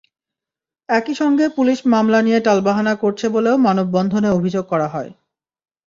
একই সঙ্গে পুলিশ মামলা নিয়ে টালবাহানা করছে বলেও মানববন্ধনে অভিযোগ করা হয়।